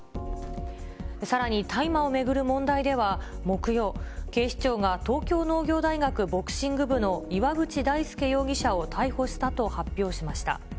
さらに大麻を巡る問題では、木曜、警視庁が東京農業大学ボクシング部の岩渕大輔容疑者を逮捕したと発表しました。